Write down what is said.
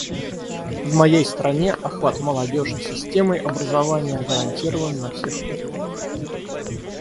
В моей стране охват молодежи системой образования гарантирован на всех уровнях.